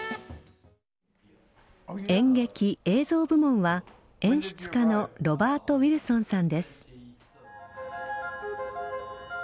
演劇・映像部門は演出家のロバート・ウィルソンさんです。